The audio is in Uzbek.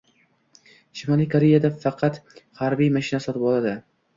Shimoliy Koreyada faqat harbiylar mashina sotib oladi.